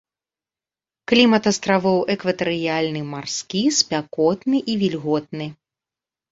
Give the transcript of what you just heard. Клімат астравоў экватарыяльны марскі, спякотны і вільготны.